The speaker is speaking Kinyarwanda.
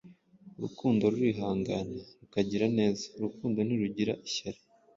Urukundo rurihangana, rukagira neza; urukundo ntirugira ishyari.